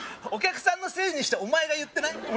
お客さんのせいにしてお前が言ってない？